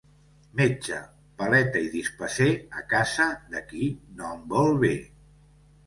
Metge, paleta i dispeser a casa de qui no em vol bé.